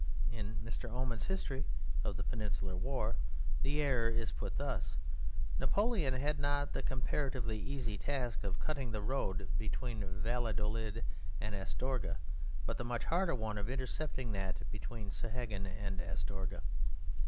In Mr. Oman's history of the Peninsular War the error is put thus: "Napoleon had not the comparatively easy task of cutting the road between Valladolid and Astorga, but the much harder one of intercepting that between Sahagun and Astorga."